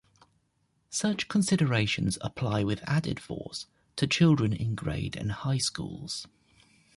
Such considerations apply with added force to children in grade and high schools.